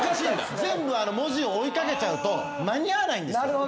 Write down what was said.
全部文字を追い掛けちゃうと間に合わないんですよ。